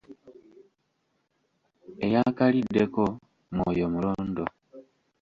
Eyaakaliddeko, omwoyo mulondo.